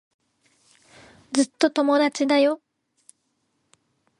ずっと友達だよ。